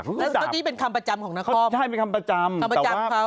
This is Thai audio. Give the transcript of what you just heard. ก็นี่เป็นคำประจำของเขาใช่เป็นคำประจำคำประจำเขา